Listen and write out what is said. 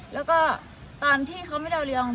แล้วก็ตอนที่เขาไม่ได้เลี้ยง